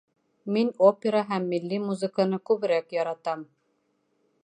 Мин опера һәм милли музыканы күберәк яратам.